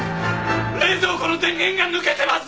冷蔵庫の電源が抜けてます！